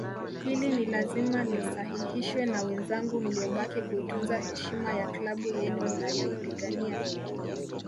Hili ni lazima lisahihishwe na wenzangu mliobaki kuitunza heshima ya klabu yenu mnayoipigania